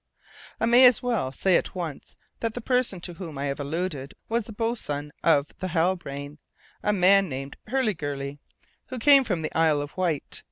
I may as well say at once that the person to whom I have alluded was the boatswain of the Halbrane, a man named Hurliguerly, who came from the Isle of Wight.